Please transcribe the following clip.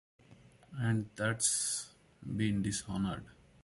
And that's been dishonored.